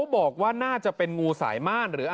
บอกว่าน่าจะเป็นงูสายมากอีกรูป